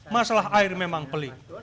masalah air memang pelik